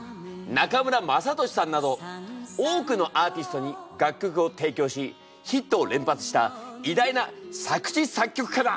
中村雅俊さんなど多くのアーティストに楽曲を提供しヒットを連発した偉大な作詞作曲家だ！